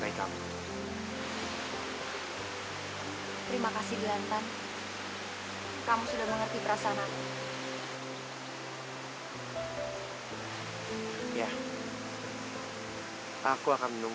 di saat adikku sudah sedih